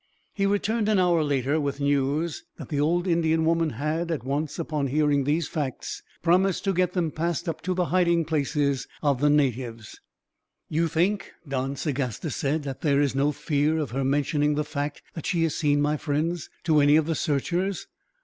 He returned an hour later, with news that the old Indian woman had, at once upon hearing these facts, promised to get them passed up to the hiding places of the natives. "You think," Don Sagasta said, "that there is no fear of her mentioning the fact that she has seen my friends, to any of the searchers?"